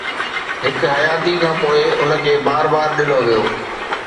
هڪ حياتيءَ کان پوءِ، ان کي بار بار ڏنو ويو